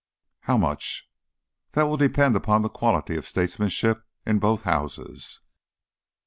"How much?" "That will depend upon the quality of statesmanship in both Houses."